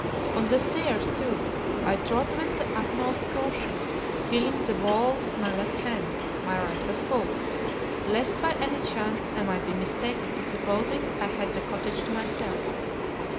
On the stairs, too, I trod with the utmost caution, feeling the wall with my left hand (my right was full), lest by any chance I might be mistaken in supposing I had the cottage to myself.